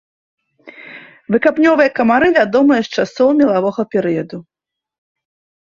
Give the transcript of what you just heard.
Выкапнёвыя камары вядомыя з часоў мелавога перыяду.